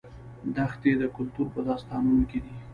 دښتې د کلتور په داستانونو کې دي.